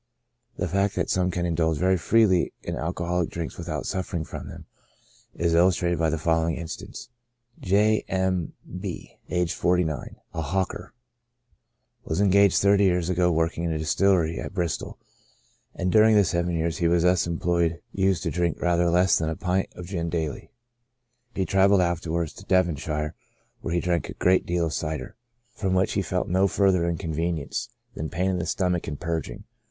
The fact that some can indulge very freely in alcoholic drinks without suffering from them, is illustrated by the following instance : J. M'B —, aged 49 ; a hawker. Was engaged thirty years ago working in a distillery at Bristol, and during the seven years he was thus employed used to drink rather less than a pint of gin daily. He trav elled afterwards in Devonshire, where he drank a great deal of cider, from which he felt no further incovenience 42 CHRONIC ALCOHOLISM. than pain in the stomach and purging.